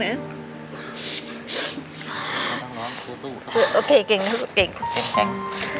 ไม่ต้องร้อง